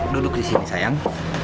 duduk di sini sayang